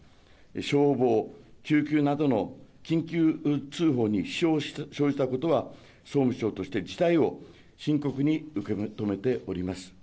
消防、救急などの緊急通報に支障を生じさせたことは総務省として事態を深刻に受け止めております。